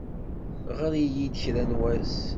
Ɣer-iyi-d kra n wass.